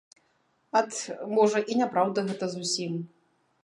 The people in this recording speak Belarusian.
Ат, можа, і няпраўда гэта зусім.